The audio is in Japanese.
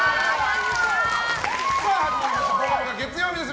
始まりました「ぽかぽか」月曜日です。